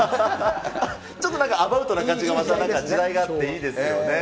ちょっとなんか、アバウトな感じが時代があっていいですよね。